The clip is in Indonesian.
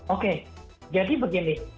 oke jadi begini